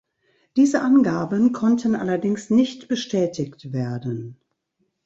Diese Angaben konnten allerdings nicht bestätigt werden.